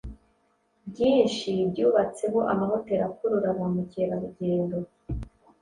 byinshi byubatseho amahoteri akurura ba mukerarugendo